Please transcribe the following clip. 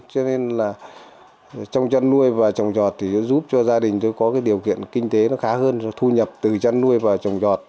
cho nên là trong chân nuôi và trồng trọt thì giúp cho gia đình có điều kiện kinh tế khá hơn thu nhập từ chân nuôi và trồng trọt